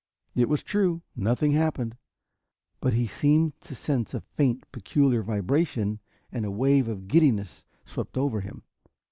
It was true. Nothing happened but he seemed to sense a faint, peculiar vibration and a wave of giddiness swept over him.